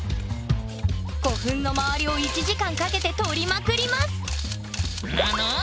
古墳の周りを１時間かけて撮りまくりますぬぬ。